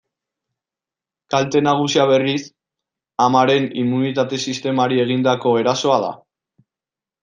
Kalte nagusia, berriz, amaren immunitate-sistemari egindako erasoa da.